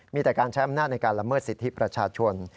มีแต่การใช้อำนาจในการละเมิดสิทธิประชาชน